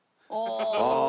ああ。